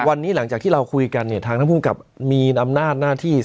วันนี้หลังจากที่เราคุยกันมีอำนาจหน้าที่